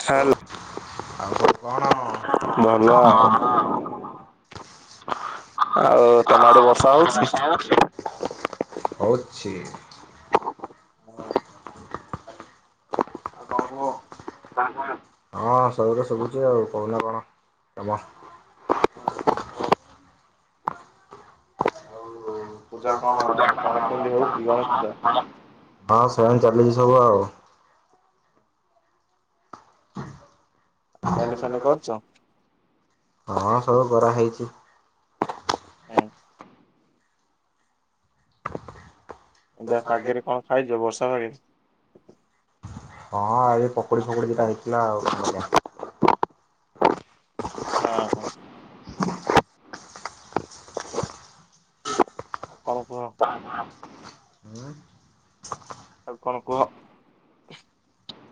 Hello. ଆଉ ସବୁ କଣ? ଭଲ ଆଉ। ଆଉ ତମ ଆଡେ ବର୍ଷା ହଉଚି? ହଉଚି। [inaudible] କଣ କୁହ? ହଁ ସବୁ ତ ଶୁଭୁଚି ଆଉ କହୁନା କଣ? [unintelligible] ଓ ହୋ। ପୂଜା କଣ କଣ କେମିତି ହଉଛି ଗଣେଶ ପୂଜା ହଁ ସେମିତି ଚାଲିଚି ସବୁ ଆଉ। ସାଙ୍ଗେ ସାଙ୍ଗେ କରୁଚ। ହଁ ସବୁ କରାହେଇଚି। [unintelligible] ଏମିତିଆ ପାଗରେ କଣ ଖାଇଚୁ ବର୍ଷା ପାଗରେ? ହଁ ଏବେ ପକୁଡ଼ି ଫକୁଡ଼ି ଦିଇଟା ହେଇଥିଲା ଆଉ। ଅ ହ। ଆଉ କଣ? [inaudible] [inaudible] ଆଉ କଣ କୁହ?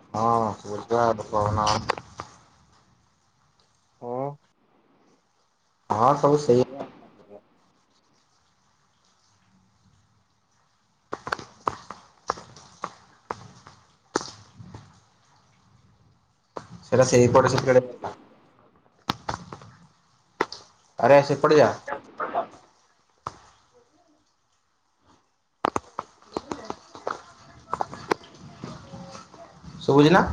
ହଁ। [unintelligible] [unintelligible] ହଁ ସବୁ ସୁବିଧା ଆଉ କଣ କରିବା। ସେଇରା ସେଇପଟେ। [unintelligible] ଆରେ ସେପଟେ ଜା। ଶୁଭୁଚି ନା?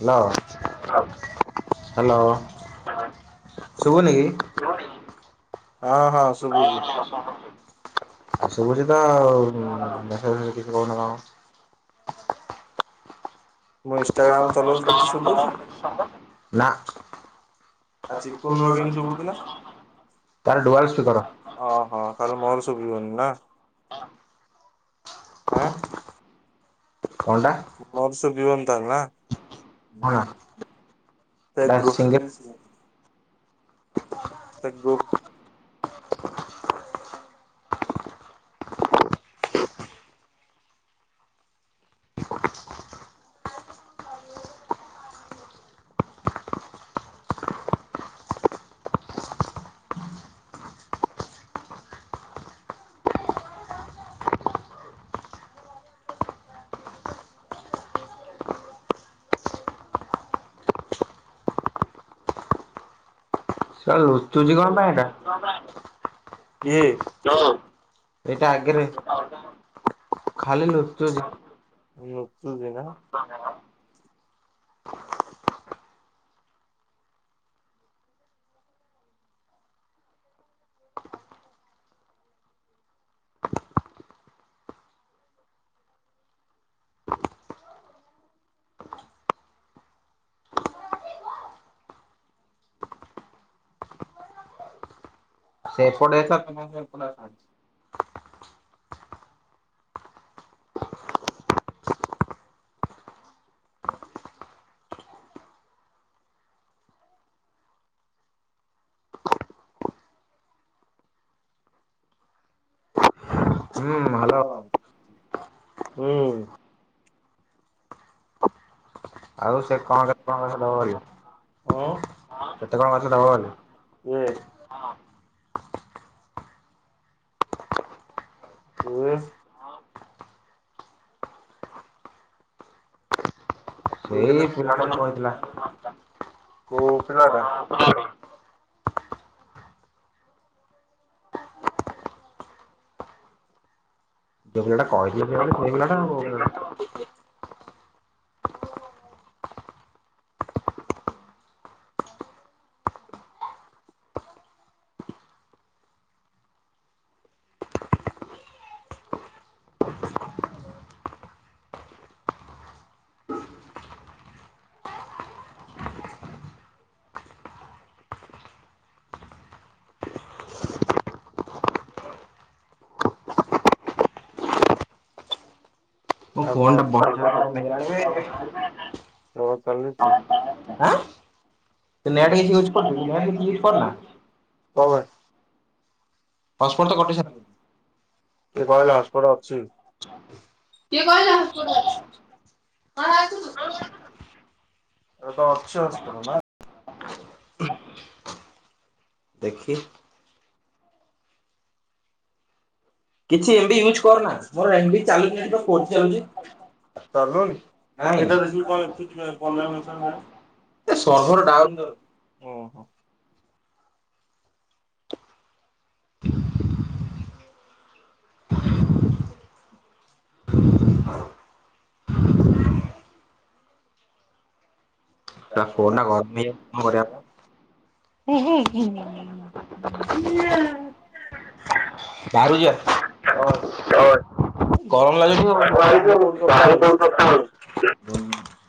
ହ୍ୟାଲୋ। ହ୍ୟାଲୋ। ଶୁଭୁନି ଶୁଭୁଚି? କି? ହଁ ହଁ ଶୁଭୁଚି। ଆ ଶୁଭୁଛି ତ ମେସେଜ ଫେସେଜ୍ ରେ କିଛି ଶୁଭୁଛି। କହୁନ କଣ? ମୋ ଇନଷ୍ଟାଗ୍ରାମ୍ [unintelligible] ନା। [unintelligible] ଆ ଚିକୁନ ର କେମିତି ଶୁଭୁଥିଲା। ତାର ଡୁଆଲ ସ୍ପିକର। ଅ ହ ତାହେଲେ ମୋର ଶୁଭିବନି ନା? ଆଁ। କଣ କଣଟା ଟା? ମୋର ଶୁଭିବନି ତାହାଲେ ନା? [unintelligible] ସିଙ୍ଗଲ [unintelligible] ତା ଗ୍ରୁପ୍ ଶଳା କିଏ? ନୁଚୁଚି ଲୁଚୁଚି ନା। କଣ ପାଇଁ ହୁଁ। ଏଟା? କିଏ? ଏଇଟା ଆଗରେ। ଖାଲି ଲୁଚୁଚି, ଲୁଚୁଛି ନା। [unintelligible] ସେ ସେପଟେ ଏପଟେ ତ ଏକା। [unintelligible] ହୁଁ ହ୍ୟାଲୋ। ହୁଁ। ଆଉ ସେ କଣ କେତେ ଟଙ୍କା ନାଖେ ଦବ କହିଲା? ଉଁ [unintelligible] କିଏ? ହଁ। [unintelligible] ତୁ ସେଇ କେତେ ପିଲାଟେ ମତେ କହିଥିଲା। କୋଉ ପିଲାଟା? [unintelligible] ଯୋଉ ପିଲା ଟା ଆଉ କହିଥିଲା ସେ ସେଇ ପିଲାଟା ଆଉ। କଣ ମୋ ଫୋନ୍ ଟା। [unintelligible] ଆଁ ତୋର ନେଟ୍ ଚାଲିଛି କିଛି ୟୁଜ କରୁଛୁ କି ନେଟ କିଛି ୟୁଜ କରନା। କଣ ପାଇଁ ହଟସ୍ପଟ୍ ତ ହସପଟଟା କଟି କଟିଗଲା। ସାରିଲାଣି। କିଏ କହିଲା ହସପଟ ଅଛି। କିଏ କିଏ କହିଲା ହଟସ୍ପଟ୍ ହସପଟ ଅଛି। [unintelligible] ତୋର ତ ଅଛି ଅସ୍ତ୍ର ନା। ଦେଖି। କିଛି ଏମ ବି ୟୁଜ କରନା ମୋର ଏମ ବି ଚାଲୁନି ଏଠି ବା ଫୋର୍ ଚାଲୁଚି। ଚାଲୁନି ନାଇଁ ଏଟା କଣ ଦେଖିଲୁ ଏଠି Punjab national bank. Server down ତୋର ଉଁ ହୁଁ। ତା ଫୋନ୍ ଟା ଘରେ ନେଇଯାଇଛନ୍ତି କଣ କରିବା। ହେଁ ହେଁ। ବାହାରକୁ ଯିବା ହଁ। ଗରମ ବାହାରେ କୋଉଠି କଥା ଲାଗୁଛି ହଉଛି। ତମକୁ [unintelligible]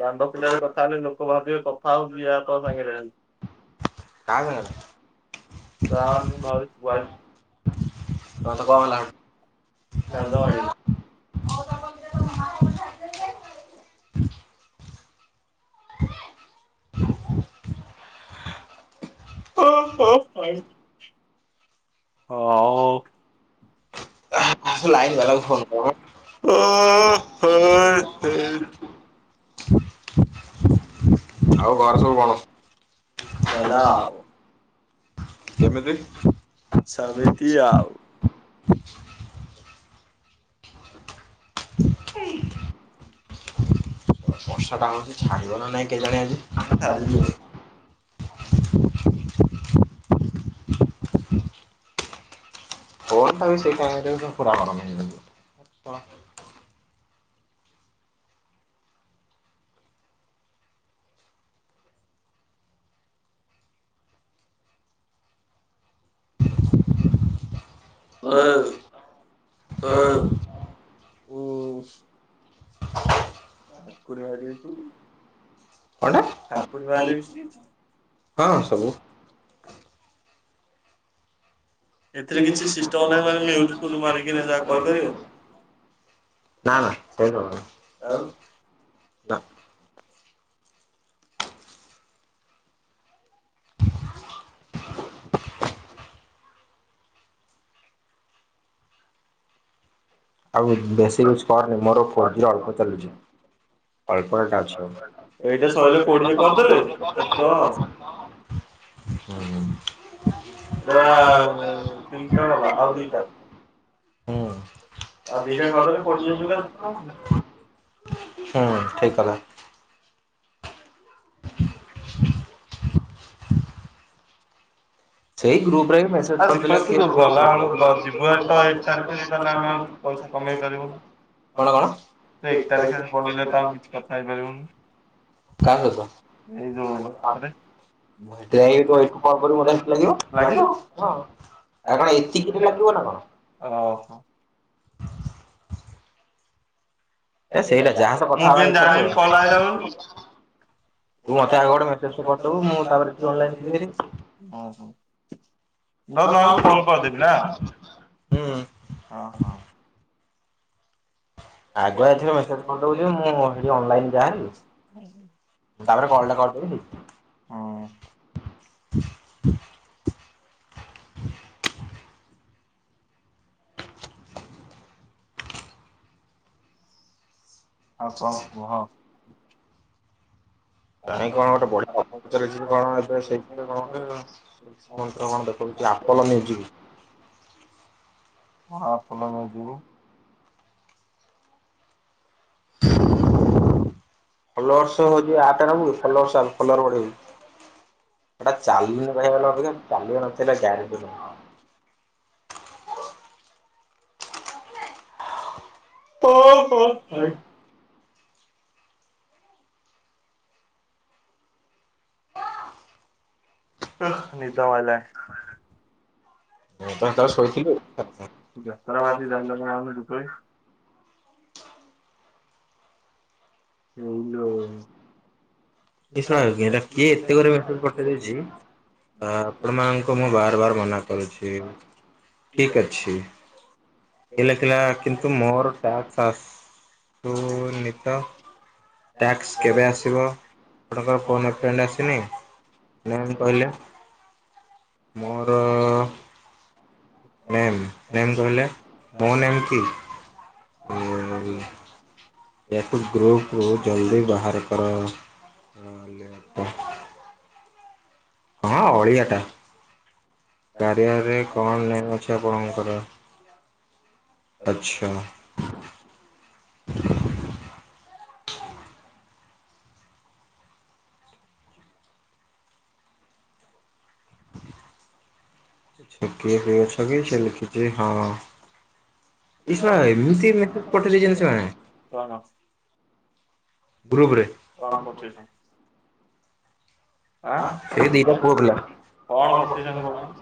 ଦାଣ୍ଡ ପିଣ୍ଢାରେ କଥା ହେଲେ ଲୋକ ଭାବିବେ କଥା ହଉଚି ୟା ତା ସାଙ୍ଗରେ। କାହା ସାଙ୍ଗରେ [unintelligible] ହଁ ତ କଣ ହେଲା ସେଇଠୁ [unintelligible] ଓ ହୋ [unintelligible] [unintelligible] ହେଠୁ? ଲାଇନ୍ ବାଲାକୁ ଫୋନ୍ କର [unintelligible] ଓ ହେ ହେ ହେଇ। ଆଉ ଘରେ ସବୁ [unintelligible] ଭଲ। ହେଲା ଆଉ ସେମିତି ଆଉ। ହେଇ। ବର୍ଷାଟା ହେଉଚି ଛାଡିବ ନା ନାହିଁ କେଜାଣି ଆଜି। ଛାଡି ଯିବ। [inaudible] ଫୋନ୍ ଟାବି ସେଇ ଟାଇମ ରେ ବି ପୁରା ଗରମ ହେଇଯାଉ ଚି ସଳା। ଓଏ ଓଏ। କଣଟା [unintelligible] ହଁ ସବୁ। ଏଥିରେ କିଛି ସିଷ୍ଟମ ନାହିଁ ମାନେ ମ୍ୟୁଟ ଫ୍ୟୁଟ ମାରିକିନା ଯାହା କହିପାରିବେ [unintelligible] ନା ନା ହେଇ ପାରିବନି ଆଉ। ଆଉ ବେଶୀ ୟୁଜ୍ କରନି ମୋର ଫୋର୍ ଜି ଅଳ୍ପ ଚାଲୁଚି। ଏଇଟା ସଇଲେ କୋଡିଏ କରିଦେଲେ [unintelligible] କେତେ ଟଙ୍କା ହୁଁ। ତା ତେଇସ ଗଲା ଆଉ ଦୁଇଟା। ଆଉ ଦିଟା କରଦେଲେ ପଇସା [unintelligible] ହୁଁ ଠିକ କଥା। [inaudible] ସେଇ ଗ୍ରୁପରେ ବି ମେସେଜ କର [unintelligible] ପଇସା କମେଇଁ ପାରିବ। କହିଲା କଣ ଏକ ତାରିଖ ପଳେଇଲେ ତ ଆଉ କିଛି କଥା ହେଇପାରିବୁନୁ। କାହା ସହିତ? ଏଠି ଏଇଠୁ କଲ୍ କରିବୁ ମତେ ଲାଗିବ ଲାଗିବ ହଁ ଆଉ କଣ ଏତିକିରେ [unintelligible] ଲାଗିବ ନା [unintelligible] କଣ? ଓହୋ। ହେ ମୁଁ ସେଇଟା ଯାହା ସହ କଥା କେମିତି ହବା ଇଚ୍ଛା ଜାଣିବି ଥିବ କଲ ଆଇଲା ବୋଲି। [unintelligible] ତୁ ଉ ମତେ ଆଗ ହୁଁ ମୁ ଗୋଟେ ମେସେଜ ଟେ କରିଦବୁ ମୁଁ ତାପରେ ଟିକେ ଅନଲାଇନ ଯିବି ହେରି। ନହେଲେ ଫୋନ୍ କରିଦେବି ନା। ହୁଁ ହଁ ହଁ। ଆଗ [unintelligible] ଆଗୁଆ ଏଥିରେ ତାପରେ ମେସେଜ କରିଦବୁ ଯେ ମୁଁ ହେଠି ଅନଲାଇନ ଯାଏ ହେରି ତାପରେ କଲ୍ ଟା କଣ ହେଲା ହୁଁ। କରିଦେବି ହଁ କଣ କୁହ। କାହିଁ କଣ ଗୋଟେ ବଢିଆ [inaudible] କଣ ଏବେ ମନ୍ତ୍ର କଣ ଦେଖ [inaudible] ହଉଛି ଆପଲ ମ୍ୟୁଜିକ। ହଁ [inaudible] ଫଲୋଅର୍ସ ହଉଛି ଆରଟା ନବୁ ଫଲୋଅର ବଢେଇବୁ। ସେଟା ଚାଲିବା ପାଇଁ ହେଲେ ଅଧୀକା ଚାଲିବା ନଥିଲେ ଗ୍ୟାରେଣ୍ଟି ନାହିଁ। ଓହୋ ଭାଇ। ନିଦ ମାଇଲାଣି। ମୁଁ ତ ସେତେବେଳେ ଶୋଇଥିଲି। [inaudible] [inaudible] [inaudible] କିଏ ଏତେ ଘେ ପେଠେଇ ଦେଇଉଛି ଆପଣମାନଙ୍କୁ ମୁଁ ବାର ବାର ମନା କରୁଛି। ଠିକ୍ ଅଛି। କିଏ ଲେଖିଲା କେଲା କିନ୍ତୁ ମୋର ଟ୍ୟାକ୍ସ ଆସୁ ନି ତ ଟ୍ୟାକ୍ସ କେବେ ଆସିବ? ଆପଣଙ୍କ ଫୋନ୍ ଏ ଫ୍ରେଣ୍ଡ ଆସିନି? [inaudible] କହିଲେ ମୋର ନେମ୍ ନେମ୍ କହିଲେ। [inaudible] ମୋ ନେମ୍ କି? ଏକୁ ଗ୍ରୁପ୍ ରୁ ଜଲ୍ଦି ବାହାର କର, ନହେଲେ ହଁ ଅଳିଆ ଟା। କାରିଆରେ କଣ ନେ [inaudible] [inaudible] ଆପଣଙ୍କର ଆଛା। ଛୁଟି ରେ ଭାଇ [inaudible] ଅଛ କି ସେ ଲେଖିଛି ହଁ। ଏଇ ଶଳା ଏମିତି ମେସେଜ ପଠେଇ ଦେଇଛନ୍ତି ସେମାନେ କଣ? ଗ୍ରୁପ ରେ। [inaudible] ଆଁ ସେ ଦିଟା ପୁଅ ପିଲା। କଣ ପଠେଇଛନ୍ତି କହୁନୁ?